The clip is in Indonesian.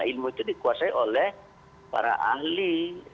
ilmu itu dikuasai oleh para ahli